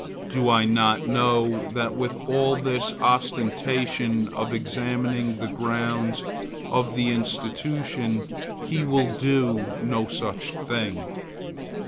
Do I not know that with all this ostentation of examining the grounds of the institution he will do no such thing?